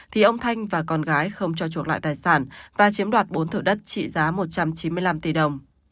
thì ông thanh và con gái không cho chuộc lại tài sản và chiếm đoạt bốn thửa đất trị giá một trăm chín mươi năm tỷ đồng